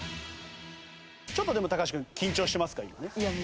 ちょっとでも高橋君緊張してますか？